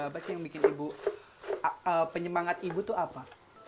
apa sih yang bikin ibu penyemangat ibu itu apa